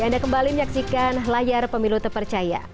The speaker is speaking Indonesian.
ya anda kembali menyaksikan layar pemilu terpercaya